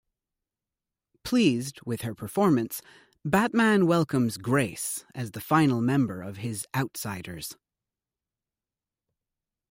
Pleased with her performance, Batman welcomes Grace as the final member of his Outsiders.